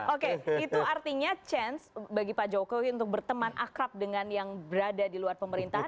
oke itu artinya chance bagi pak jokowi untuk berteman akrab dengan yang berada di luar pemerintahan